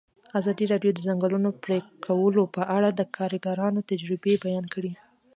ازادي راډیو د د ځنګلونو پرېکول په اړه د کارګرانو تجربې بیان کړي.